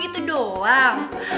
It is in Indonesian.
oh gitu doang